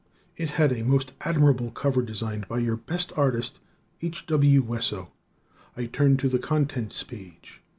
It had a most admirable cover design by your best artist, H. W. Wesso. I turned to the Contents Page.